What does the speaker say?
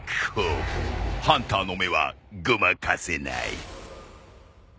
ハンターの目はごまかせない。